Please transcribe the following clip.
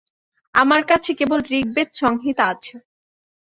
আমার কাছে কেবল ঋগ্বেদ-সংহিতা আছে।